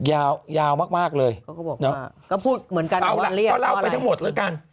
ยาวยาวมากมากเลยก็พูดเหมือนกันเอาล่ะก็เล่าไปทั้งหมดแล้วกัน